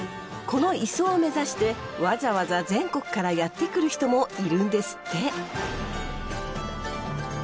この磯を目指してわざわざ全国からやって来る人もいるんですって。